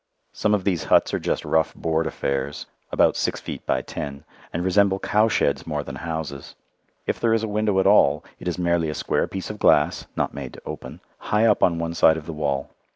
Some of these huts are just rough board affairs, about six feet by ten, and resemble cow sheds more than houses. If there is a window at all, it is merely a small square of glass (not made to open) high up on one side of the wall.